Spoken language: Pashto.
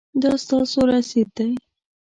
دا ستاسو رسید دی